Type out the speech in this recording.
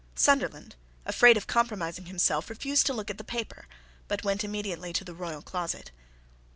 Sunderland, afraid of compromising himself, refused to look at the paper, but went immediately to the royal closet.